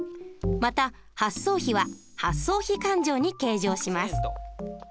また発送費は発送費勘定に計上します。